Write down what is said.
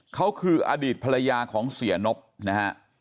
เขาคืออดีตภรรยาของเสียนบนะฮะ